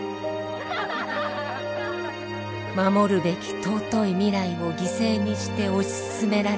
守るべき尊い未来を犠牲にして推し進められる戦争の現実。